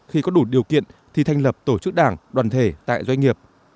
khi có đủ điều kiện thì thành lập tổ chức đảng đoàn thể tại doanh nghiệp